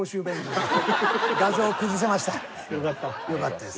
よかったです。